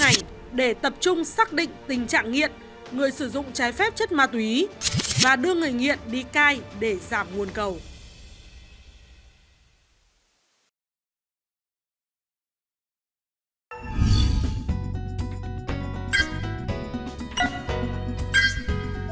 hãy đăng kí cho kênh lalaschool để không bỏ lỡ những video hấp dẫn